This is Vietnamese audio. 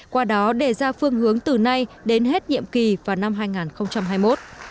qua đó đề ra phương hướng từ nay đến hết nhiệm kỳ vào năm hai nghìn hai mươi một